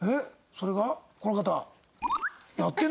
それがこの方。